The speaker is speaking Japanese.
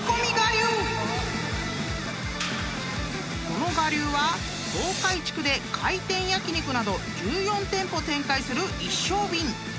［この我流は東海地区で回転焼き肉など１４店舗展開する一升びん］